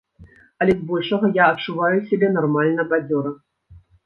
Але збольшага я адчуваю сябе нармальна, бадзёра.